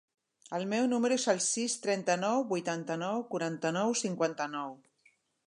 El meu número es el sis, trenta-nou, vuitanta-nou, quaranta-nou, cinquanta-nou.